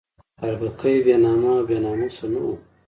اربکی بې نامه او بې ناموسه نه وو.